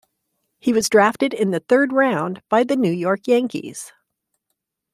He was drafted in the third round by the New York Yankees.